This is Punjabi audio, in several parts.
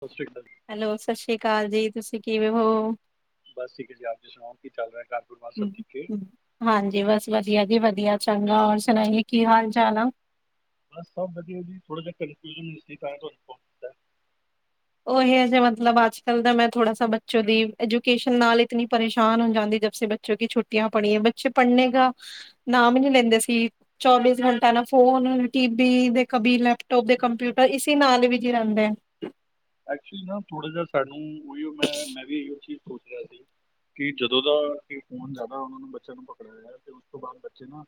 ਸਤਿ ਸ਼੍ਰੀ ਅਕਾਲ ਹੈਲੋ ਸਤਿ ਸ਼੍ਰੀ ਅਕਾਲ ਜੀ ਤੁਸੀਂ ਕਿਵੇ ਹੋ। ਬਸ ਠੀਕ ਹੈ ਜੀ, ਆਪ ਸੁਣਾਓ ਕੀ ਚੱਲ ਰਿਹਾ ਕਰ। ਹੁੰ ਹੁੰ ਹਾਂਜੀ ਬਸ ਵਦਿਆ ਜੀ, ਵਦਿਆ ਚੰਗਾ ਔਰ ਸੁਣਾਈਏ ਕੀ ਹਾਲ ਚਾਲ ਆ। ਬਸ ਸਭ ਵਦਿਆ ਜੀ, ਥੋੜਾ ਜਿਹਾ ਕੰਨਫਿਊਜਨ ਸੀ ਤਾ ਤਹਾਨੂੰ ਫੋ ਉਹ ਇਹ ਜੇ ਮਤਲਬ ਅੱਜ ਕੱਲ ਦਾ ਮੈਂ ਥੋੜਾ ਸਾ ਬੱਚੋਂ ਦੀ ਐਜੂਕੇਸ਼ਨ ਨਾਲ ਇਤਨੀ ਪਰੇਸ਼ਾਨ ਹਾਂ ਜਾਂਦੀ ਜਬ ਸੇ ਮੈ ਕਿਉਂਕਿ ਛੁੱਟੀਆਂ ਪੜ੍ਹੀਆਂ ਬੱਚੇ ਪੜ੍ਹਨੇ ਹਾਂ ਗਾ ਨਾਮ ਨੀ ਲੇਂਦੇ ਸੀ। ਚੌਬੀਸ ਘੰਟਾ ਨਾ ਫੋਨ, ਟੀ ਬੀ, ਦੇ ਕਬੀ ਲੈਪਟੋਪ ਦੇ ਕੰਪਿਊਟਰ ਇਸੀ ਨਾਲ ਵਿਜੀ ਰਹਿੰਦਾ ਏ। ਐਕਚੁਲੀ ਨਾ ਥੋੜਾ ਜਿਹਾ ਸਾਨੂੰ ਉਹੀ ਮੈਂ ਮੈਂ ਵੀ ੲ ਚੀਜ਼ ਸੋਚ ਰਿਹਾ ਸੀ। ਕੀ ਜਦੋਂ ਦਾ ਏ ਫੋਨ ਜ਼ਦਾ ਉਹਨਾ ਨੂੰ ਬੱਚੇਆਂ ਨੂੰ ਪਕੜਾਯਾ ਏ ਤੇ ਉਸ ਤੋਂ ਬਾਅਦ ਬੱਚੇ ਨਾ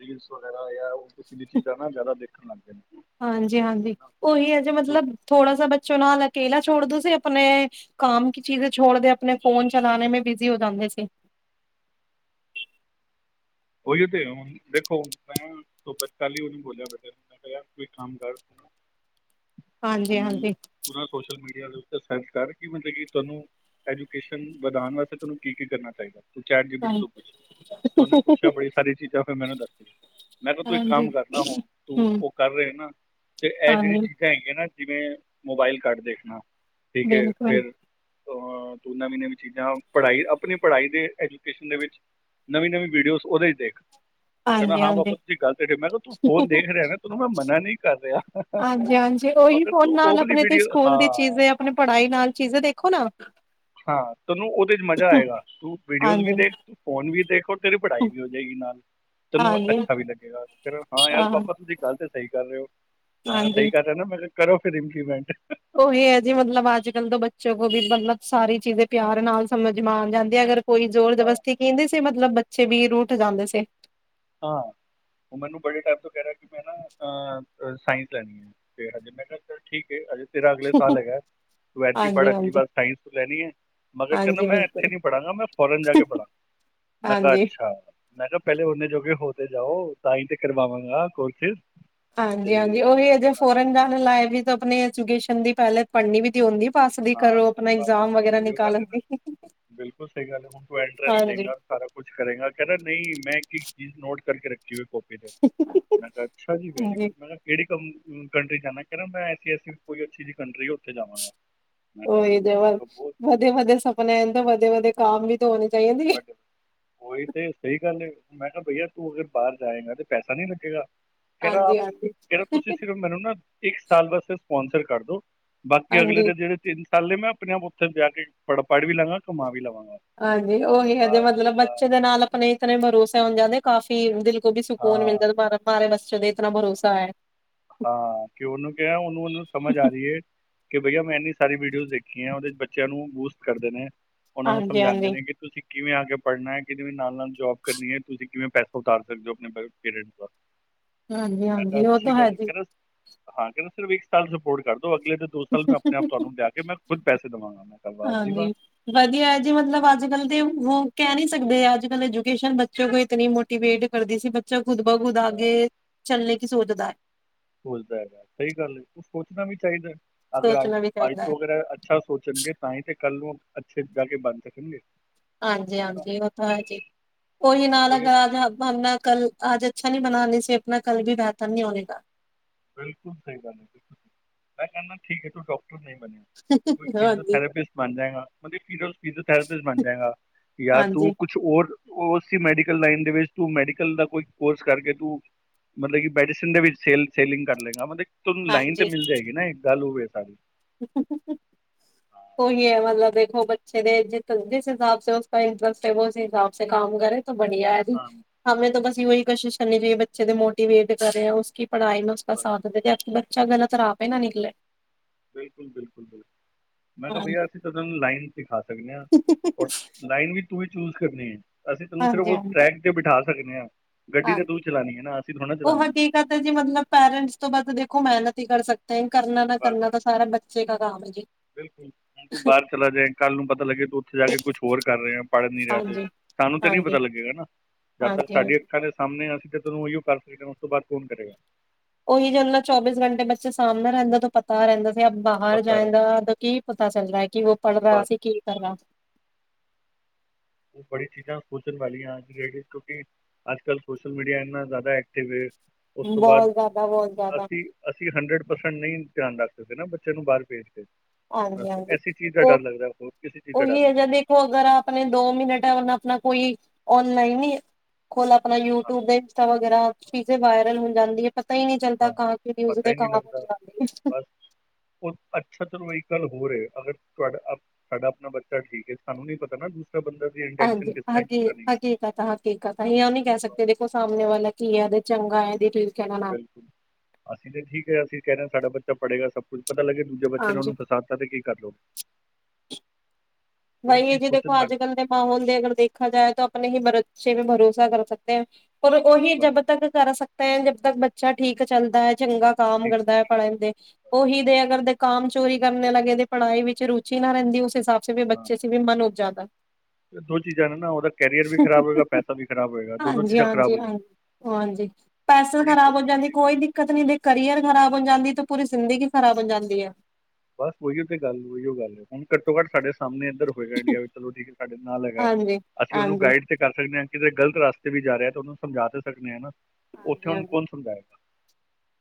ਰੀਲਸ ਵਗੈਰਾ ਉਹ ਸਿੱ ਦੀ ਚੀਜ਼ਾਂ ਨਾ ਜ਼ਿਆਦਾ ਦੇਖਣ ਲੱਗ ਗਏ ਨੇ। ਹਾਂਜੀ ਹਾਂਜੀ ਨਾ ਉਹੀ ਹੈ ਜੇ ਤੇ ਮਤਲਬ ਥੋੜਾ ਸਾ ਬੱਚੋ ਨਾਲ ਅਕੇਲਾ ਛੋੜ ਦੋ ਸੀ ਆਪਨੇ ਕਾਮ ਕੀ ਚੀਜੇ ਛੋੜਦੇ ਆਪਨੇ ਫੋਨ ਚਲਾਣੇ ਮੇ ਬਿਜ਼ੀ ਹੋ ਜਾਂਦੇ ਸੀ। ਉਹੀ ਤੇ ਹੁੰ ਦੇਖੋ ਤਾਂ ਕੱਲ ਹੀ ਉਹਨੂੰ ਬੋਲਿਆ ਬੈਠਾ। ਕੋਈ ਕੰਮ ਕਰ। ਹਾਂਜੀ ਅਮ, ਹਾਂਜੀ। ਪੂਰਾ ਸੋਸ਼ਲ ਮੀਡੀਆ ਦੇ ਉੱਤੇ ਸਰਚ ਕਰਕੇ ਮਤਲਬ ਕਿ ਤੁਹਾਨੂੰ ਐਜੂਕੇਸ਼ਨ ਵਧਾਨ ਵਾਸਤੇ ਤੁਹਾਨੂੰ ਕੀ ਕੀ ਕਰਨਾ ਪਏਗਾ, ਚੈਟ ਹਾਂ ਜੀਬੀਟੀ ਤੋ ਪੁੱਛ ਤੁਹਾਨੂ ਅੱਜ ਬੜੀ ਸਾਰੀ ਚੀਜ਼ਾਂ ਫਿਰ ਮੈਨੂੰ ਦੱਸ ਮੈਂ ਤੁਮ ਇੱਕ ਹਾਂਜੀ। ਕੰਮ ਕਰਨਾ ਹੁਣ ਤੂੰ ਹੂੰ, ਉਹ ਕਰ ਰਹੇ ਨਾ। ਤੇ ੲਹ ਜਿਹੜੀ ਹਾਂਜੀ ਚੀਜ਼ਾਂ ਹੈਗੀਆਂ ਨਾ ਜਿਵੇਂ ਮੋਬਾਈਲ ਕਟ ਦੇਖਣਾ ਠੀਕ ਹੈ ਬਿਲਕੁਲ, ਫਿਰ ਅਹ ਤੂੰ ਨਵੀਂ ਨਵੀਂ ਚੀਜ਼ਾਂ ਪੜ੍ਹਾਈ ਆਪਣੀ ਪੜ੍ਹਾਈ ਦੇ ਐਜੂਕੇਸ਼ਨ ਦੇ ਵਿੱਚ ਨਵੀਂ ਨਵੀਂ ਵੀਡੀਓਜ਼ ਉਹਦੇ ਚ ਦੇਖ। ਕਹਿੰਦਾ ਹਾਂ ਪਾਪਾ ਹਾਂਜੀ-ਹਾਂਜੀ। ਤੁਸੀਂ ਗੱਲ ਤੇ ਠੀਕ ਮੈਂ ਕਿਹਾ ਤੂੰ ਫੋਨ ਦੇਖ ਰਿਹਾ ਨਾ, ਤੇਨੂੰ ਮਨਾ ਨੀ ਕਰ ਰਿਹਾ। ਹਾਂਜੀ ਹਾਂਜੀ ਉਓਹੀ ਮਗਰ ਫੋਨ ਤੂੰ ਉਹ ਨਾਲ ਵਾਲੀ ਆਪਨੇ ਤੇ ਸੀ ਵੀਡੀਓ ਸਕੂਲ ਦੀ ਹਾਂ ਚੀਜ਼ੇ ਆਪਨੀ ਪੜ੍ਹਾਈ ਨਾਲ ਚੀਜ਼ੇ ਦੇਖੋ ਨਾ। ਹਾਂ ਤੈਨੂੰ ਉਹਦੇ ਚ ਮਜ਼ਾ ਆਏਗਾ ਤੂੰ ਵੀਡੀਓਜ਼ ਵੀ ਹਾਂਜੀ, ਦੇਖ, ਫੋਨ ਵੀ ਦੇਖ ੳਰ ਤੇਰੇ ਪੜ੍ਹਾਈ ਵੀ ਹੋ ਜਾਏਗੀ ਨਾਲ ਤੈਨੂੰ ਹਾਂਜੀ, ਅੱਛਾ ਵੀ ਲੱਗੇਗਾ ਫਰ ਹਾਂ ਯਾਰ ਪਾਾਬਪਾ ਤੁਸੀਂ ਗੱਲ ਤੇ ਸਹੀ ਕਰ ਰਹੇ ਹੋ ਮੈਂ ਕਿਹਾ ਸਹੀ ਹਾਂਜੀ। ਕਰ ਰਿਹਾ ਨਾ ਮ ਕਰੋ ਫਿਰਰ ਇੰਪਲੀਮੈਂਟ ਉਹੀ ਹੈ ਜੀ ਮਤਲਬ ਅੱਜ ਕੱਲ ਤੋਂ ਬੱਚੇ ਕੋਲ ਵੀ ਮਤਲਬ ਸਾਰੀ ਚੀਜ਼ ਪਿਆਰ ਨਾਲ ਸਮਝ ਮਾਣ ਜਾਂਦੀ ਆ ਅਗਰ ਕੋਈ ਜ਼ੋਰ ਹਾਂ ਜਬਸਤੀ ਕਹਿੰਦੇ ਸੀ ਮਤਲਬ ਬੱਚੇ ਵੀ ਰ ਉੱਠ ਜਾਂਦੇ ਸੀ ਹਾਂ ਉਹ ਮੈਨੂੰ ਬੜੇ ਟਾਈਮ ਤੋਂ ਕਹਿ ਰਿਹਾ ਕਿ ਮੈਂ ਨਾ ਅ ਸਾਇੰਸ ਲੈਣੀ ਹੈ ਤੇ ਹਜੇ ਮੈਂ ਕਿਹਾ ਚ ਠੀਕ ਏ ਹਜੇ ਤੇਰਾ ਅਗਲੇ ਸਾਲ ਹੈਗਾ ਟਵੈਲਥ ਹੀ ਪੜ੍ਹ ਅਗਲੀ ਹਾਂਜੀ-ਹਾਂਜੀ, ਬਾਰ ਸਾਇੰਸ ਤੇ ਲੈਣੀ ਹੈ ਮਗਰ ਕਹਿੰਦਾ ਹਾਂਜੀ ਹਾਂਜੀ ਮੈਂ ਇੱਥੇ ਬਿਲਕੁਲ, ਨੀ ਪੜਾਂਗਾ ਮੈਂ ਫੋਰਨ ਜਾ ਕੇ ਪੜਾਂ ਮੈਂ ਕਿਹਾ ਹਾਂਜੀ। ਅੱਛਾ ਮੈਂ ਕਿਹਾ ਪਹਿਲੇ ਓਨੇ ਜੋਗੇ ਹੋ ਤੇ ਜਾਓ ਤਾਂ ਹੀ ਤੇ ਕਰਵਾਵਾਂਗਾ ਕੁਛ ਹਾਂਜੀ ਹਾਂਜੀ ਓਹੀ ਅਜੇ ਫੋਰਨ ਜਾਣ ਲਾਏ ਵੀ ਤਾਂ ਆਪਣੇ ਐਜੂਕੇਸ਼ਨ ਦੀ ਪਹਿਲੇ ਪੜ੍ਹਨੀ ਵੀ ਤ ਆਉਂਦੀ ਪਾਸ ਦੀ ਹਾਂ ਕਰੋ ਆਪਣਾ ਬਸ ਇਗਜ਼ਾਮ ਵਗੈਰਾ ਉਹੀਓ ਗੱਲ ਨਿਕਾਲਣ ਹੈ ਨਾ ਦੀ ਸਹੀ ਗੱਲ ਹੈ ਹੁਣ ਤੂੰ ਐਂਟਰੈਂਸ ਹਾਂਜੀ ਦੇਗਾ ਸਾਰਾ ਕੁਛ ਕਰੇਗਾ ਕਹਿਣਾ ਨਹੀਂ ਮੈਂ ਇੱਕ ਇੱਕ ਚੀਜ਼ ਨੋਟ ਕਰਕੇ ਰੱਖੀ ਹੋਈ ਕੋਪੀ ਮੈਂ ਕਿਹਾ ਅੱਛਾ ਜੀ ਵੈਰੀ ਗੁੱਡ ਮੈਂ ਕਿਹੜੀ ਕੰ ਕੰਟਰੀ ਜਾਂਨਾ ਕਹਿੰਦਾ ਮੈਂ ਐਸੀ ਐਸੀ ਕੋਈ ਅੱਛੀ ਜਿਹੀ ਕੰਟਰੀ ਉੱਥੇ ਜਾਵਾਂਗਾ। ਮੈਂ ਕਿਹਾ ਉਹੀ ਅੱਛਾ ਮੈਂ ਵਧ ਕਿਹਾ ਬਹੁਤ ਵਧੇ ਵਧੇ ਸਪਨੇ ਤਾਂ ਵਧੇ ਵਧੇ ਕਮ ਵੀ ਤਾਂ ਹੋਨੇ ਚਾਹੀਦੇ। ਬਟ ਉਹੀ ਤੇ ਸਹੀ ਗੱਲ ਏ, ਮੈਂ ਕਿਹਾ ਬਈਆ ਤੂੰ ਅਗਰ ਬਾਰ ਜਾਏਗਾ ਤੇ ਪੈਸਾ ਨੀ ਲੱਗੇਗਾ। ਕਹਿ ਰਾ ਹਾਂਜੀ-ਹਾਂਜੀ। ਕਹਿ ਰਾ ਤੁਸੀਂ ਸਿਰਫ ਮੈਨੂੰ ਨਾ ਇੱਕ ਸਾਲ ਵਾਸਤੇ ਸਪੋਂਸਰ ਕਰ ਦੋ ਬਾਕੀ ਅਗਲੇ ਦੇ ਜਿਹੜੇ ਤਿੰਨ ਮੈਂ ਆਪਣੇ ਆਪ ਉੱਥੇ ਜਾ ਕੇ ਪੜ ਪੜ੍ਹ ਵੀ ਲਵਾਂਗਾ ਕਮਾ ਵੀ ਲਵਾਂਗਾ ਹਾਂਜੀ ਮੈਂ ਕਿਹਾ ਉਹੀ ਹੈਦੇ ਵਾਹ ਜੀ ਮਤਲਬ ਵਾਹ ਬੱਚੇ ਦੇ ਨਾਲ ਆਪਣੇ ਇਤਨੇ ਭਰੋਸੇ ਹੋਣ ਜਾਂਦੇ ਕਾਫੀ ਦਿਲ ਤੋਂ ਵੀ ਸਕੂਨ ਮਿਲਦਾ ਮਾਰੇ ਬੱਚੇ ਤੇ ਇਤਨਾ ਭਰੋਸਾ ਹੈ ਹਾਂ ਕਿ ਉਹਨੂੰ ਕਿਹਾ ਉਹਨੂੰ ਉਹਨੂੰ ਸਮਝ ਆ ਰਹੀ ਹੈ ਕਿ ਬਈਆ ਮੈਂ ਇੰਨੀ ਸਾਰੀ ਵੀਡੀਓਜ਼ ਦੇਖੀ ਹੈ ਉਹਦੇ ਚ ਬੱਚਿਆਂ ਨੂੰ ਬੂਸਟ ਕਰਦੇ ਨੇ ਉਹਨਾ ਨੂੰ ਸਮਝਾਂਦੇ ਹਾਂਜੀ-ਹਾਂਜੀ, ਨੇ ਕਿ ਤੁਸੀਂ ਕਿਵੇਂ ਆ ਕੇ ਪੜ੍ਹਨਾ ਐ ਕਿਵੇਂ ਨਾਲ ਨਾਲ ਜੋਬ ਕਰਨੀ ਐ ਤੁਸੀਂ ਕਿਵੇਂ ਪੈਸਾ ਉਤਾਰ ਸਕਦੇ ਹੋ ਅਪਨੇ ਪੇਰੇਂਟਸ ਦਾ, ਮੈਂ ਕਿਹਾ ਹਾਂਜੀ-ਹਾਂਜੀ ਉਹ ਅੱਛੀ ਤਾਂ ਹੈ ਗਲ ਏ। [unintelligible] ਇੱਕ ਸਾਲ ਰਪੋਟ ਕਰ ਦੋ ਅਗਲੀ ਦੋ ਸਾਲ ਮੈਂ ਆਪਣੇ ਆਪ ਜੀ। ਤੁਹਾਨੂੰ ਲਿਆ ਕੇ ਮੈਂ ਖੁਦ ਪੈਸੇ ਦੇਵਾਂਗਾ ਮੈਂ ਕਿਹਾ ਵਾਹ ਜੀ ਵਾਹ ਹਾਂਜੀ। ਵਧੀਆ ਹੈ ਜੀ ਮਤਲਬ ਅੱਜ ਕੱਲ੍ਹ ਤੇ ਉਹ ਕਹਿ ਨੀ ਸਕਦੇ ਅੱਜ ਕੱਲ ਐਜੂਕੇਸ਼ਨ ਬੱਚੇ ਕੋਲ ਇਤਨੀ ਮੋ ਮੋਟੀਵੇਟ ਕਰਦੀ ਸੀ ਬੱਚਾ ਖੁਦ ਬ ਖੁਦ ਹਾਂ, ਆਗੇ ਚਲਣੇ ਕੀ ਸੋਚਦਾ ਹੈ ਸੋਚਦਾ ਹੈਗਾ ਸਹੀ ਗੱਲ ਹੈ ਉਹ ਸੋਚਣਾ ਵੀ ਚਾਹੀਦੈ ਅਗਰ ਅੱਜ ਅੱਜ ਤੋਂ ਅਗਰ ਐ ਅੱਛਾ ਸੋਚਣਗੇ ਤਾਂ ਹੀ ਤੇ ਕੱਲ੍ਹ ਨੂੰ ਅੱਛੇ ਜਾ ਕੇ ਬਣ ਸਕਣਗੇ ਹਾਂਜੀ ਹੈ ਨਾ ਹਾਂਜੀ ਉਹ ਤਾਂ ਹੈ ਜੀ ਉਹੀ ਨਾਲ ਅਗਰਜ ਨਾ ਕੱਲ ਆਜ ਅੱਛਾ ਨਹੀਂ ਬਨਾਨੇ ਸੀ ਆਪਣਾ ਕੱਲ ਵੀ ਬਿਹਤਰ ਨਹੀਂ ਹੋਣੇਗਾ ਬਿਲਕੁਲ ਸਹੀ ਗਲ ਮੈਂ ਕਹਿਣਾ ਠੀਕ ਹੈ ਤੂੰ ਡਾਕਟਰ ਨਹੀਂ ਬਣ ਹਾਂਜੀ ਫਿਜਿਓਥੈਰਪਿਸ ਬਣ ਜਾਏਗਾ ਮਤਲਬ ਫਿਜਿਓਥੈਰਪਿਸ ਬਣ ਜਾਏਗਾ ਯਾ ਤੂੰ ਹਾਂਜੀ ਕੁੱਛ ਕੁਛ ਹੋਰ ਉਹ ਸੀ ਮੈਡੀਕਲ ਲਾਈਨ ਦੇ ਵਿੱਚ ਤੂੰ ਮੈਡੀਕਲ ਦਾ ਕੋਈ ਕੋਰਸ ਕਰਕੇ ਤੂੰ ਮਤਲਬ ਕਿ ਮੈਡੀਸਨ ਦੇ ਵਿੱਚ ਸੇਲ ਸੇਲਿੰਗ ਕਰਲੇਂਗਾ ਮਤਲਬ ਤੁਹਾਨੂੰ ਲਾਈਨ ਤੇ ਹਾਂਜੀ ਮਿਲ ਜਾਏਗੀ ਨਾ ਇੱਕ ਗੱਲ ਓਹ ਵੇ ਸਾਰੀ [inaudible] ਹਾਂ ਕੋਹੀ ਹੈ ਮਤਲਬ ਦੇਖੋ, ਬੱਚੇ ਦੇ ਜਿਸ-ਜਿਸ ਹਿਸਾਬ ਉਸ ਇੰਟਰਸਟ ਹੈ ਉਸ ਹਿਸਾਬ ਕੰਮ ਕਰੇ। ਬੜੀਆ ਹੈ, ਜੀ ਹਾਂ, ਹਮੇ ਤਾਂ ਬਸ ਇਹੀ ਕੋਸ਼ਿਸ਼ ਕਰਨੀ ਚਾਹੀਏ, ਬੱਚੇ ਦੇ ਮੋਟੀਵੇਟ ਕਰੇ ਉਸ ਪੜ੍ਹਾਈ ਮੈਂ ਉਸ ਬਸ ਸਾਧਨ ਦੇ ਕਿ, ਬੱਚਾ ਗਲਤ ਰਾਹ ਪਏ ਨਾ ਨਿਕਲੇ ਬਿਲਕੁਲ ਬਿਲਕੁਲ ਬਿਲਕੁਲ ਮੈਂ ਕਿਹਾ ਬਈਆ ਹਾਂਜੀ ਅਸੀਂ ਤੇਨੂੰ ਲਾਈਨ ਦਿਖਾ ਸਕਦੇ ਹਾਂ ਔਰ ਲਾਈਨ ਵੀ ਤੂੰ ਵੀ ਚੂਜ ਕਰਨੀ ਹੈ ਅਸੀਂ ਤੈਨੂੰ ਸਿਰਫ ਹਾਂਜੀ ਉਸ ਟਰੈਕ ਬਿਠਾ ਸਕਦੇ ਹਾਂ ਗੱਡੀ ਤੇ ਤੂੰ ਹਾਂਜੀ ਚਲਾਣੀ ਹੈ ਨਾ ਅਸੀਂ ਥੋੜਾ ਉਹ ਚਲਾਣੀ ਹਕੀਕਤ ਹੈ ਜੀ ਮਤਲਬ ਪੇਰੈਂਟਸ ਤੋਂ ਬਸ ਦੇਖੋ ਮਿਹਨਤ ਹੀ ਕਰ ਸਕ ਕਰਨਾ ਨਾ ਬਸ ਕਰਨਾ ਤਾਂ ਸਾਰਾ ਬੱਚੇ ਕਾ ਕੰਮ ਹੈ ਜੀ ਬਿਲਕੁਲ ਹੁਣ ਤੂੰ ਬਾਹਰ ਚਲਾ ਜਾਏ ਕੱਲ੍ਹ ਨੂੰ ਪਤਾ ਲੱਗੇ ਤੂੰ ਉੱਥੇ ਜਾ ਕੇ ਕੁਛ ਹੋਰ ਕਰ ਰਿਹਾ ਪੜ੍ਹ ਨੀ ਰਿਹਾ ਤੇ ਹਾਂਜੀ ਸਾਨੂੰ ਤਾਂ ਨੀ ਹਾਂਜੀ ਪਤਾ ਲੱਗੇਗਾ ਨਾ ਜਦ ਤੱਕ ਹਾਂਜੀ ਸਾਡੀਆਂ ਹਾਂਜੀ ਅੱਖਾਂ ਦੇ ਸਾਹਮਣੇ ਅਸੀਂ ਤੇ ਤੈਨੂੰ ਉਹੀਓ ਕਰ ਸਕਦੇ ਹਾਂ ਉਸ ਤੋਂ ਬਾਅਦ ਕੌਣ ਕਰੇਗਾ ਉਹੀ ਜੋ ਨਾਲ ਚੌਬੀਸ ਘੰਟੇ ਬੱਚੇ ਸਾਹਮਣੇ ਰਹਿੰਦਾ ਤੋਂ ਪਤਾ ਰਹਿੰਦਾ ਸੀ ਬਾਹਰ ਪਤਾ ਜਾਏਂਗਾ ਨਹੀਂ ਮਤਲਬ ਕੀ ਪਤਾ ਚੱਲਰਾ ਹੈ ਕਿ ਵੋ ਪੜ੍ਹ ਰਾ ਬਸ ਸੀਂ ਕੀ ਕਰ ਰਾ ਉਹ ਬੜੀ ਚੀਜ਼ਾਂ ਸੋਚਣ ਵਾਲੀਆਂ ਕਿਉਂਕਿ, ਅੱਜ ਕੱਲ੍ਹ ਸੋਸ਼ਲ ਮੀਡੀਆ ਇੰਨਾ ਜ਼ਿਆਦਾ ਐਕਟਿਵ ਹੈ, ਉਸ ਤੋਂ ਬਾਅਦ ਬਹੁਤ ਜ਼ਿਆਦਾ ਬਹੁਤ ਜ਼ਿਆਦਾ ਅਸੀਂ। ਅਸੀਂ ਹੰਡਰਡ ਪਰਸੈਂਟ ਨਹੀਂ ਧਿਆਨ ਰੱਖ ਸਕਦੇ, ਨਾ ਬੱਚੇ ਨੂੰ ਬਾਹਰ ਭੇਜ ਕੇ। ਬਸ, ਹਾਂਜੀ ਹਾਂਜੀ ਐਸੀ ਚੀਜ਼ ਦਾ ਉਹ ਡਰ ਲੱਗਦਾ ਹੋਰ ਕਿਸੇ ਚੀਜ਼ ਦਾ ਡਰ ਉਹੀ ਨਹੀਂ ਹੈ। ਜ ਅਗਰ ਆਪਣੇ ਦੋ ਮਿੰਟ ਉਹਨ ਆਪਣਾ ਕੋਈ ਔਨਲਾਈਨ ਹੀ ਖੋਲਾ। ਹਾਂ ਯੂਟਿਊਬ ਦੇ ਇੰਸਟਾ ਵਗੈਰਾ, ਚੀਜ਼ਾਂ ਵਾਇਰਲ ਹੋ ਜਾਂਦੀ ਹੈ। ਪਤਾ ਹੀ ਨਹੀਂ ਚੱਲਦਾ ਹਾਂ ਕਹਾਂ, ਕੀ ਨਿਊਜ਼ ਪਤਾ ਹੀ ਕਹਾਂ ਨਹੀਂ ਪਹੁੰਚ ਲੱਗਦਾ ਜਾਂਦੀ ਹੈ। ਬਸ ਉਹ ਅੱਛਾ ਚਲੋ, ਇੱਕ ਗੱਲ ਹੋ ਰਿਹਾ ਅਗਰ ਤੁਹਾਡਾ ਸਾਡਾ ਆਪਣਾ ਬੱਚਾ ਠੀਕ ਹੈ, ਸਾਨੂੰ ਨੀ ਪਤਾ ਨਾ ਦੂਸਰਾ ਬੰਦਾ ਦੀ ਇੰਨਟੈਂਸ਼ਨ ਕਿਸ ਤਰ੍ਹਾਂ ਕਿਸ ਤਰ੍ਹਾਂ ਨਹੀਂ। ਤਾਂਸੀਂ ਉਹ ਨੀ ਕਹਿ ਸਕਦੇ ਦੇਖੋ, ਸਾਹਮਣੇ ਵਾਲਾ ਕੀ ਹੈ, ਚੰਗਾ ਠੀਕ ਐ ਕਾ ਨਾ। ਅਸੀਂ ਤੇ ਠੀਕ ਹੈ, ਅਸੀਂ ਕਹਿ ਰਹੇ ਹਾਂ ਸਾਡਾ ਬੱਚਾ ਪੜ੍ਹੇਗਾ ਸਭ ਕੁੱਝ ਪਤਾ ਲੱਗੇ ਦੂਜੇ ਬੱਚੇ ਨੇ ਹਾਂਜੀ ਉਹਨੂੰ ਫਸਾ। ਕਦੇ ਕੀ ਕਰ ਲਓ। ਵਾਈ ਜੀ, ਦੇਖੋ ਅੱਜ-ਕੱਲ ਦੇ ਮਾਹੌਲ ਦੇ ਅਗਰ ਦੇਖਾ ਜਾਏ ਤਾਂ ਆਪਣੇ ਹੀ ਬੱਚੇ ਤੇ ਭਰੋਸਾ ਕਰ ਸਕਦੇ ਹੈਂ। ਪਰ ਉਹੀ ਬਸ ਜਬ ਤੱਕ ਕਰ ਸਕਦਾ ਹੈ, ਜਬ ਤਕ ਬੱਚਾ ਠੀਕ ਚਲਦਾ ਚੰਗਾ। ਕਾਮ ਕਰਦਾ ਹੈ ਪੜ੍ਹਨ ਦੇ। ਉਹੀ ਤੇ ਅਗਰ ਦੇ ਕਾਮ ਚੋਰੀ ਕਰਨ ਲੱਗੇ, ਦੇ ਪੜਾਈ ਵਿੱਚ ਰੁਚੀ ਨਾ ਰਹਿੰਦੀ ਉਸ ਹਿਸਾਬ। ਹਾਂ ਅੱਛੇ ਸੀ ਵੀ ਮਨ ਹੋ ਉਠ ਜਾਦਾ। ਇਹ ਦੋ ਚੀਜ਼ਾਂ ਨੇ ਨਾ ਉਹ ਕੈਰੀਅਰ ਵੀ ਖਰਾਬ ਹੋਏਗਾ, ਪੈਸਾ ਵੀ ਖਰਾਬ ਹੋਏਗਾ, ਦੋਨੋਂ ਹਾਂਜੀ ਚੀਜ਼ਾਂ ਖਰਾਬ ਹੋ। ਹਾਂਜੀ, ਜਾਣ ਹਾਂਜੀ ਪੈਸੇ ਤਾਂ ਬੜੀ ਖ਼ਰਾਬ ਹੋ ਸੋਚਣ ਜਾਂਦੇ। ਵਾਲੀ ਗੱਲ ਕੋਈ ਦਿੱਕਤ ਨਹੀਂ ਜੇ ਕਰੀਅਰ, ਖਰਾਬ ਹੋ ਜਾਂਦਾ ਤੇ ਪੂਰੀ ਜ਼ਿੰਦਗੀ ਖਰਾਬ ਹੋ ਜਾਂਦੀ ਹੈ। ਬਸ ਉਹੀਓ ਤੇ ਗੱਲ, ਉਹੀਓ ਗੱਲ ਹੈ ਹੁਣ ਘੱਟੋ-ਘੱਟ ਸਾਡੇ ਸਾਹਮਣੇ ਇੱਧਰ। ਇੰਡੀਆ ਚਲੋ ਠੀਕ ਹੈ, ਸਾਡੇ ਨਾਲ ਹੈਗਾ, ਹਾਂਜੀ ਅਸੀਂ ਉਹਨੂੰ ਹਾਂਜੀ ਹਾਂਜੀ ਗਾਈਡ। ਇਹ ਹੈ ਤੇ ਕਰ ਸਕਦੇ ਹਾਂ, ਕਿਤੇ ਗ਼ਲਤ ਰਸਤੇ ਵੀ ਜਾ ਰਿਹਾ ਤੇ ਉਹਨੂੰ ਸਮਝਾ ਦੇ ਸਕਦੇ ਹਾਂ ਨਾ। ਉੱਥੇ ਹੁਣ ਕੌਣ ਸਮਝਾਏਗਾ?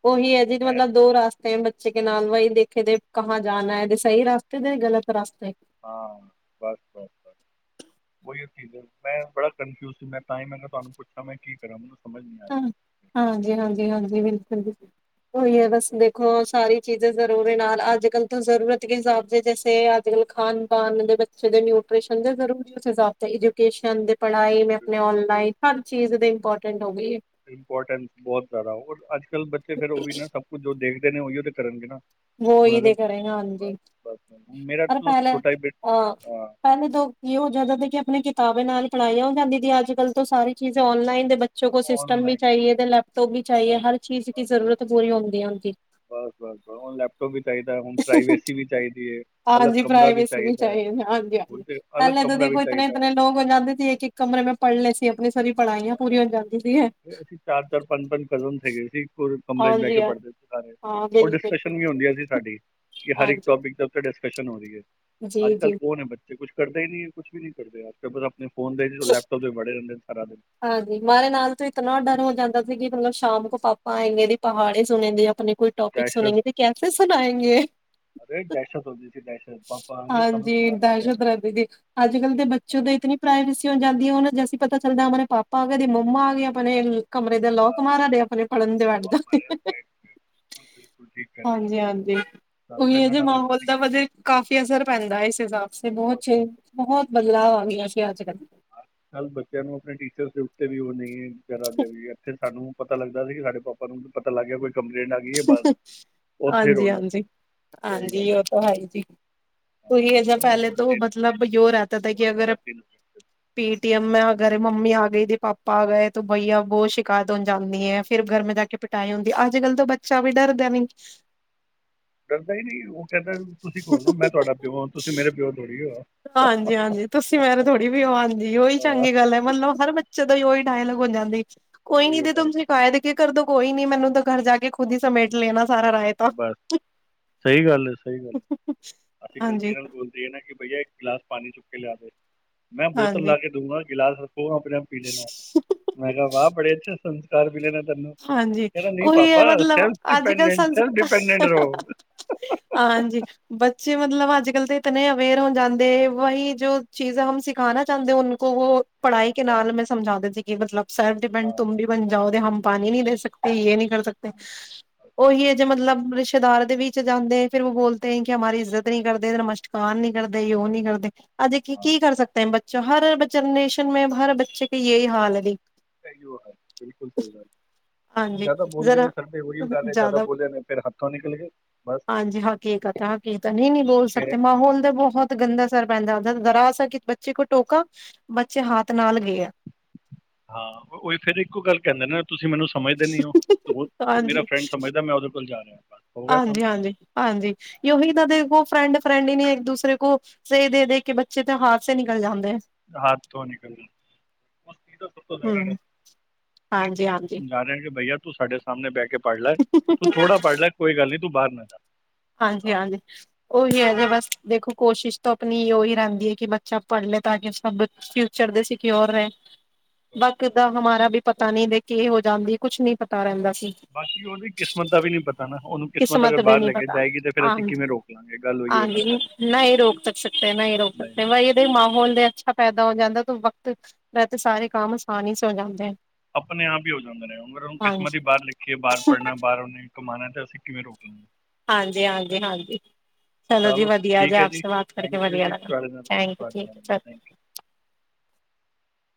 ਉਹੀ ਹੈ, ਜਿਹ ਮੈਂ ਮਤਲਬ ਦੋ ਰਾਸ ਬੱਚੇ ਦੇ ਨਾਲ ਵਈ ਦੇਖਾ ਕਹਾ ਜਾਣਾ ਹੈ, ਸਹੀ ਰਸਤੇ ਦੇ ਗਲਤ ਰਸਤੇ। ਹਾਂ, ਬੱਸ, ਬੱਸ, ਬੱਸ। ਉਹੀ ਚੀਜ਼ ਹੈ ਮੈਂ ਬੜਾ ਕਨਫਿਊਜ਼ ਸੀ, ਮੈਂ ਤਾਂ ਹੀ ਕਿਹਾ ਮੈਂ ਤੁਹਾਨੂੰ ਪੁੱਛਾਂ ਮੈਂ ਕੀ ਕਰਾਂ ਮੈਨੂੰ ਸਮਝ ਨਹੀਂ। ਆ ਹਾਂ, ਰਿਹਾ ਹਾਂਜੀ, ਹਾਂਜੀ, ਹਾਂਜੀ ਬਿਲਕੁਲ ਬਿਲਕੁਲ। ਉਹੀ ਹੈ, ਬਸ ਦੇਖੋ ਸਾਰੀ ਚੀਜ਼ਾਂ ਜਰੂਰੀ ਨਾਲ ਅੱਜ-ਕੱਲ ਤੋਂ ਜ਼ਰੂਰਤ ਦੇ ਹਿਸਾਬ ਦੇ ਜੈਸੇ। ਖਾਣ-ਪਾਨ ਦੇ ਬੱਚੇ ਦੇ ਨਿਊ ਐਜੂਕੇਸ਼ਨ ਦੇ ਬਣਾਏ, ਮੈਂ ਆਪਣੇ ਆਨਲਾਈਨ ਸਭ ਚੀਜ਼ ਦੇ ਇਮਪੋਰਟੈਂਟ। ਹੋ ਗਈ ਏ, ਇੰਪੋਰਟੈਂਟ ਬਹੁਤ ਜਿਆਦਾ, ਅੱਜ-ਕੱਲ ਬੱਚੇ ਫਿਰ ਉਹ ਵੀ ਨਾ ਸਭ ਕੁਝ ਜੋ ਦੇਖਦੇ ਨੇ ਉਹੀ ਤੇ ਕਰਨਗੇ ਨਾ। ਵੋ ਹੁਣ ਹੀ ਅਗਰ, ਦੇ ਕਰੇ ਹਾਂਜੀ। ਬਸ ਬਸ ਹੁਣ ਮੇਰਾ ਛੋਟਾ ਹਾਂ ਪਹਿਲੇ ਤੋਂ ਕੀ ਹੋ ਜਾਂਦਾ ਸੀ ਕਿ, ਆਪਣੇ ਕਿਤਾਬਾਂ ਨਾਲ ਹੀ ਪੜਾਈਆਂ ਹੋ ਜਾਂਦੀ ਸੀ, ਅੱਜਕੱਲ ਤੋ ਸਾਰੀਆਂ ਚੀਜ਼ਾਂ ਆਨਲਾਈਨ ਬੱਚੋਂ ਕੋ ਸਿਸਟਮ ਵੀ ਆਨਲਾਈਨ ਚਾਹੀਏ ਤੇ, ਲੈਪਟੋਪ ਵੀ ਚਾਹੀਏ ਬਸ ਹਰ ਚੀਜ਼ ਦੀ ਬਸ ਬਸ ਜ਼ਰੂਰਤ ਪੂਰੀ ਹੁੰਦੀ ਹੈ ਉਨਕੀ। ਬਸ -ਬਸ। ਉਹ ਵੀ ਚਾਹੀਦਾ, ਹੁਣ ਪ੍ਰਾਈਵੇਸੀ ਵੀ ਚਾਹੀਦੀ ਹੈ, ਅਲਗ ਕਮਰਾ ਵੀ ਚਾਹੀਦਾ, ਹੁਣ ਤੇ। ਅਲੱਗ ਕਮਰਾ ਵੀ ਚਾਹੀਦਾ। ਨੌ ਵਜ ਜਾਂਦੇ ਸੀ, ਇੱਕ ਇੱਕ ਕਮਰੇ, ਮੈਂ ਪੜ੍ਹ ਲਏ ਸੀ ਆਪਣੀ ਸਾਰੀ ਪੜ੍ਹਾਈਆਂ ਹੈ ਪੂਰੀ ਹੋ ਜਾਂਦੀ ਸੀ। ਅਸੀਂ ਚਾਰ, ਚਾਰ ਪੰਜ, ਪੰਜ ਕਜ਼ਨ ਹੈਗੇ ਸੀਗੇ। ਕਮਰੇ ਚ ਬਹਿ ਕੇ ਪੜ੍ਹਦੇ ਸੀ ਸਾਰੇ, ਹੋਰ ਡਿਸਕਸ਼ਨ ਵੀ ਹੁੰਦੀਆਂ ਸੀ, ਸਾਡੀ ਕਿ ਹਰ ਇੱਕ ਟੋਪਿਕ ਤੇ। ਡਿਸਕਸ਼ਨ ਹੋ ਰਹੀ ਹੈ। ਅੱਜ ਕੱਲ ਕਹੋ ਨਾ ਬੱਚੇ ਕੁਝ ਕਰਦੇ ਹੀ ਕੁਛ ਵੀ ਨਹੀਂ ਕਰਦੇ। ਕਿਉਂਕਿ ਆਪਣੇ ਫੋਨ ਦੇ, ਵਿੱਚ ਤੇ ਲੈਪਟੋਪ ਦੇ, ਵਿੱਚ ਵੜੇ ਰਹਿੰਦੇ ਨੇ ਸਾਰਾ ਦਿਨ। ਹਾਂਜੀ ਹਮਾਰੇ ਨਾਲ ਤਾਂ ਇਤਨਾ ਡਰ ਹੋ ਜਾਂਦਾ ਸੀ ਕਿ ਮਤਲਬ, ਸ਼ਾਮ ਕੋ ਪਾਪਾ ਆਣਗੇ ਪਹਾੜੇ ਸੁਣਣਗੇ ਆਪਣੇ ਟੋਪਿਕ ਦਹਿਸ਼ਤ ਸੁਣੇਗੇ, ਤੇ ਕੈਸੇ ਸੁਣਾਏਗੇ। ਅਰੇ ਦਹਿਸ਼ਤ, ਹੁੰਦੀ ਸੀ ਦਹਿਸ਼ਤ, ਪਾਪਾ ਆਣਗੇ ਸਾਨੂੰ ਸੁਣਾਣਗੇ। [unintelligible] ਅੱਜ- ਕੱਲ ਦੇ ਬੱਚਿਆਂ ਦੀ ਇਤਨੀ ਪ੍ਰਾਈਵੇਸੀ ਹੋ ਜਾਂਦੀ ਹੈ, ਉਹਨਾਂ ਨੂੰ ਜੈਸੇ ਹੀ ਪਤਾ ਚਲਦਾ ਪਾਪਾ ਆਗਾ ਤੇ ਮੰਮਾ ਆ ਗ ਗਿਆ ਆਪਣੇ। ਕਮਰੇ ਦੇ ਲੋਕ ਮਾਰਾ ਡੇ ਆਪਣੇ ਫੜਨ ਦੇ ਚੱਲ ਲੋਕ ਵੰਡਦਾ। ਮਾਰੇ ਸਾਈਡ ਤੇ ਹੁਣ ਬਿਲਕੁਲ ਠੀਕ ਕਰਨ ਹਾਂਜੀ, ਹਾਂਜੀ। ਸਾਨੂੰ ਤਾਂ ਇੰਨਾ ਉਹੀਦੇ ਡਰ ਰਹਿੰਦਾ ਮਾਹੌਲ ਸੀ ਦਾ ਕਿ ਵਧੇ--ਕਾਫ਼ੀ ਅਸਰ ਪੈਂਦਾ ਹੈ ਇਸ ਹਿਸਾਬ ਤੇ ਬਹੁਤ ਚੇ ਬਹੁਤ ਬਦਲਾਵ ਆ ਗਿਆ ਸੀ ਅੱਜ, ਕੱਲ ਚੱਲ ਬੱਚਿਆਂ ਨੂੰ ਆਪਣੇ ਟੀਚਰ ਦੇ ਉੱਤੇ ਵੀ ਉਹ ਨਹੀਂ ਦੇ ਵੀ ਇੱਥੇ ਸਾਨੂੰ ਪਤਾ ਲੱਗਦਾ। ਸੀ ਸਾਡੇ ਪਾਪਾ ਨੂੰ ਪਤਾ ਲੱਗ ਗਿਆ, ਕੋਈ ਕੰਪਲੇਂਟ ਆ ਗਿਆ। ਹਾਂਜੀ, ਹਾਂਜੀ, ਸਹੀ ਗੱਲ ਹਾਂਜੀ ਉਹ ਤਾਂ ਹੈ ਹੀ ਜੀ। ਹਾਂ ਉਹੀ ਐਸਾ ਪਰ ਪਹਿਲੇ ਹੁਣ ਤੋਂ ਤੈਨੂੰ ਮਤਲਬ ਯੋ ਰਹਿਤਾ ਬਹੁਤ ਕਿ ਅਗਰ। ਜ਼ਿਆਦਾ ਤੈਨੂੰ ਪੇਟੀਐਮ ਮ ਅਗਰ ਮੰਮੀ ਆ ਗਈ ਤੇ, ਪਾਪਾ ਆ ਗਏ ਤੇ ਬਈਆ ਬਹੁਤ ਸ਼ਿਕਾਇਤ ਹੋਣ ਜਾਂਦੀ ਹੈ। ਫਿਰ ਘਰ ਮੇਂ ਜਾ ਕੇ ਪਿਟਾਈ ਹੁੰਦੀ, ਅੱਜ- ਕੱਲ ਤਾਂ ਬੱਚਾ ਵੀ ਡਰਦਾ ਨਹੀਂ। ਡਰਦਾ ਹੀ ਨਹੀਂ ਉਹ ਕਹਿੰਦਾ, ਤੁਸੀਂ ਕੌਣ ਹੋ, ਮੈਂ ਤੁਹਾਡਾ ਪਿਓ ਹਾਂ, ਤੁਸੀਂ ਮੇਰੇ ਪਿਓ ਨੀ। ਹਾਂਜੀ- ਹਾਂਜੀ। ਤੁਸੀਂ ਮੇਰੇ ਥੋੜ੍ਹੀ ਵੀ ਉਹ ਆਉਂਦੀ, ਉਹੀ ਆਹ, ਚੰਗੀ ਗੱਲ ਹੈ, ਮਤਲਬ ਹਰ ਬੱਚੇ ਦਾ ਹੀ ਉਹੀ ਡਾਇਲੋਗ ਹੋ ਜਾਂਦੀ। ਕੋਈ ਨੀ ਉਹੀ ਉਹ ਤੇ ਟਾਈਮ ਸ਼ਿਕਾਇਤ ਕੇ ਕਰਦੋ, ਕੋਈ ਨੀ ਮੈਨੂੰ ਤਾਂ ਘਰ ਜਾ ਕੇ ਖੁਦ ਹੀ ਸਮੇਟ ਲੈਣਾ ਸਾਰ ਰਾਏ। ਬਸ ਸਹੀ ਗੱਲ ਹੈ, ਸਹੀ ਗੱਲ। ਅਸੀਂ ਗਲਤੀ ਹਾਂਜੀ ਨਾਲ ਬੋਲਦੇ, ਏ ਨਾ ਕਿ ਬਈਆ ਇੱਕ ਗਿਲਾਸ ਪਾਣੀ ਚੁੱਕ ਕੇ ਲਿਆ ਦੇ। ਮੈਂ ਬੋਤਲ ਲਾ ਹਾਂਜੀ ਕੇ ਦੂਗਾ ਗਿਲਾਸ ਰੱਖੋ, ਆਪਣੇ ਆਪ ਪੀ ਲੈਣਾ, ਮੈਂ ਕਿਹਾ ਵਾਹ ਬੜੇ ਅੱਛੇ ਸੰ [unintelligible] ਤੈਨੂੰ ਹਾਂਜੀ ਕਹਿੰਦਾ ਨਹੀਂ ਉਹੀ ਪਾਪਾ ਹੈ ਮਤਲਬ ਸੈਲਫ ਅੱਜ ਕੱਲ ਡਿਪੇਡਅਡ, ਸੰਸ ਸੈਲਫ ਡਿਪੇਡਅਡ ਰਹੋ। ਹਾਂਜੀ। ਬੱਚੇ ਮਤਲਬ ਅੱਜ, ਕੱਲ੍ਹ ਤਾਂ ਇਤਨੇ ਅਵੇਅਰ ਹੋ ਜਾਂਦੇ ਵਹੀ ਜੋ ਚੀਜ਼ ਹਮ ਸਿਖਾਣਾ ਚਾਹੁੰਦੇ ਉਹਨੂੰ। [unintelligible] ਪੜ੍ਹਾਈ ਕੇ ਹਾਂ ਨਾਲ ਮੈਂ ਸਮਝਾਦੇਤੀ ਸੀ ਕਿ ਮਤਲਬ ਸਲਫ ਡਿਪੈਂਡ ਹਾਂ ਤੁਮ ਵੀ ਬਣ ਜਾਓ ਤੇ ਹਮ ਪਣੀ ਨਹੀਂ ਦੇ ਸਕਦੇ ਇਹ ਨਹੀਂ। ਕਰ ਸਕਦੇ। ਉਹੀ ਅਜੇ ਮਤਲਬ ਰਿਸ਼ਤੇਦਾਰ ਦੇ ਵਿੱਚ ਜਾਂਦੇ ਫਰ ਉਹ ਬੋਲਦੇ ਕਿ ਹਮਾਰੀ ਇੱਜ਼ਤ ਨਹੀਂ ਕਰਦੇ ਨਮਸ਼ਕ। ਕ ਨੀ ਕਰਦੇ ਯ ਨੀ ਕਰਦੇ। ਅੱਜ ਕੀ, ਹਾਂ ਕੀ ਕਰ ਸਕਦੇ ਬੱਚਾ ਹਰ ਜਨਰੇਸ਼ਨ ਮ ਹਰ ਬੱਚੇ ਕੀ ਯਹੀ ਹਾਲ ਹੈ। ਸਹੀ ਉਹ ਹੈਾਲ ਬਿਲਕੁਲ ਸਹੀ ਗੱਲ। ਜ਼ਿਆਦਾ ਬੋਲ ਜ ਸਰ ਪੇ ਉਹੀ ਉਗਾੇ ਜ਼ਿਆਦਾ ਬੋਲੇ ਨੇ ਫਿਰ ਹੱਥੋਂ ਨਿਕਲ ਗਏ ਬਸ ਹਾਂਜੀ। ਹਾਕੀਕ ਤਾਂ ਹਾਕੀਕਤ ਨਹੀਂ ਨੀ ਬੋਲ ਸਕਦੇ ਮਾਹੌਲ ਦੇ ਬਹੁਤ। ਗੰਦਾ ਸਰਰ ਪੈਂਦਾ ਉਹ ਦਰਾਸ ਆ ਕਿ ਬੱਚੇ ਕੋਲ ਟੋਕਾ ਬੱਚੇ ਹੱਥ ਨਾਲ ਗਏ ਆ ਹਾਂ ਉ ਫਿਰ ਇੱਕੋ ਗੱਲ ਕਹਿੰਦੇ ਨਾ ਤੁਸੀਂ ਮੈਨੂੰ ਸਮਝਦੇ ਨੀ ਉਹ ਮੇਰਾ ਹਾਂਜੀ, ਫਰੈਂਡ ਸਮਝਦਾ ਮੈਂ ਉਹਦੇ ਕੋਲ ਜਾ ਰਿਹਾ। ਬਸ ਹੋ ਗਿਆ ਕੰਮ ਹਾਂਜੀ, ਹਾਂਜੀ ਹਾਂਜੀ ਉਹੀ ਤਾਂ ਦੇ ਕੋਲ ਫਰੈਂਡ ਫਰੈਂਡ ਹੀ ਨਹੀਂ ਇੱਕ ਦੂਸਰੇ ਕੋਲ ਸਹੀ ਦੇ, ਦੇ ਕੇ ਬੱਚੇ ਤੇ ਹਾਦਸੇ ਨਿਕਲ ਜਾਂਦੇ। ਹੱਥ ਧ ਨਿਕਲਦਾ। ਚਜ਼ ਤਾਂ ਸਭ ਤੋਂ ਜ਼ਿਆਦਾ ਡਰ ਹੂੰ ਨਹੀਂ ਹਾਂਜੀ, ਮੈਂਨੂੰ ਹਾਂਜੀ। ਸਮਝਾ ਰਿਹਾ ਕਿ ਬਈਆ ਤੂੰ ਸਾਡੇ। ਸਾਹਮਣੇ ਬਹਿ ਕੇ ਪੜ੍ਹ ਲੈ ਤੂੰ ਥੋੜਾ ਪੜ੍ਹ ਲੈ ਕੋਈ ਗੱਲ ਨੀ ਤੂੰ ਬਾਹਰ ਨਾ ਜਾ ਹਾਂਜੀ, ਹਾਂ ਹਾਂਜੀ। ਉਹੀ ਹੈ ਜੇ ਸਹੀ ਬਸ ਦੇਖੋ ਕੋਸ਼ਿਸ਼ ਤਾਂ ਆਪਣੀ ਉਹੀ ਰਹਿੰਦੀ ਹੈ ਕਿ ਬੱਚਾ ਪੜ੍ਹ ਲਏ ਤਾਂ ਕਿ ਸਭ ਫਿਊਚਰ ਦੇ ਸਿਕਿਓਰ ਹੈ। ਬਾਕ ਹੈ। ਦਾਂ ਹਮਾਰਾ ਵੀ ਪਤਾ ਨੀ ਦੇ ਕੇ ਹੋ ਜਾਂਦੀ ਕੁਛ ਨੀ ਪਤਾ ਰਹਿੰਦਾ ਸੀ। ਬਾਕੀ ਉਹਦੀ ਕਿਸਮਤ ਦਾ ਵੀ ਨੀ ਪਤਾ ਨਾ ਉਹਨੂੰ ਕਿਸਮਤ ਅਗਰ ਬਾਹਰ ਲੈ ਕੇ। ਜਾਏਗੀ ਤੇ ਫਿਰ ਅਸੀਂ ਹਾਂਜੀ ਕਿਵੇਂ ਰੋਕ ਲਾਂਗੇ ਗੱਲ ਹੋਈ ਹੋਏ ਨਾ ਹਾਂਜੀ ਸਾਰੀ ਨਹੀਂ ਰੋਕ ਸਕ ਸਕਦੇ ਨਹੀਂ ਰੋਕ ਸਕਦੇ ਵ। ਮਾਹੌਲ ਦੇ ਅੱਛਾ ਪੈਦਾ ਹੋ ਜਾਂਦਾ ਤੇ ਵਕਤ ਰ ਸਾਰੇ ਕੰਮ ਆਸਾਨੀ ਸ ਹੋ ਜਾਂਦੇ ਹੈ। ਆਪਣੇ ਆਪ ਹੀ ਹੋ ਜਾਂਦਾ ਰਹੇਗਰ ਕਿਸਮਤ ਹਾਂਜੀ ਹੀ ਬਾਹਰ ਲਿਖੀਏ ਬਾਹਰ ਪੜ੍ਹਨਾ ਬਾਹਰ ਉਹਨੇ। ਕਮਾਣਾ ਤੇ ਅਸੀਂ ਕਿਵੇਂ ਰੋਕਣਗੇ। ਹਾਂਜੀ, ਹਾਂਜੀ, ਹਾਂਜੀ। ਚਲੋ ਜੀ ਵਧੀਆ ਜੇ ਠੀਕ ਹੈ ਆਪ ਜੀ ਬਾਤ ਕਰਕੇ ਥੈਂਕ ਯੂ ਵਧੀਆ ਜੀ ਲ ਤੁਹਾਡੇ ਨਾਲ ਥੈਂਕ ਯ ਤੁਹਾਡੇ ਨਾਲ ਠੀਕ ਚਲ ਥੈਂਕ ਯੂ